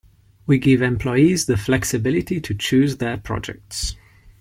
We give employees the flexibility to choose their projects.